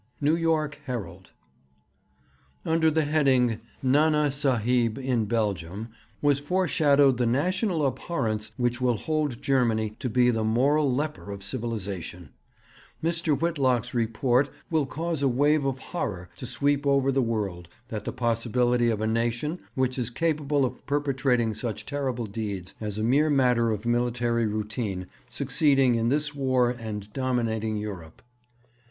New York Herald. Under the heading 'Nana Sahib in Belgium' was foreshadowed the national abhorrence which will hold Germany to be the moral leper of civilization. Mr. Whitlock's report 'will cause a wave of horror to sweep over the world at the possibility of a nation which is capable of perpetrating such terrible deeds as a mere matter of military routine succeeding in this War and dominating Europe.